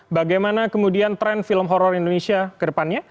bagaimana kemudian tren film horror indonesia ke depannya